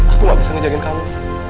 aku gak bisa ngejarin kamu